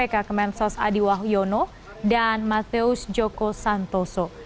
kemen sos adiwah yono dan mateus joko santoso